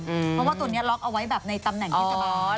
เพราะว่าตัวนี้ล็อกเอาไว้แบบในตำแหน่งเทศบาล